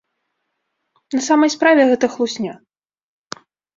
На самай справе гэта хлусня.